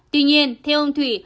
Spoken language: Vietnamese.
tuy nhiên theo ông thủy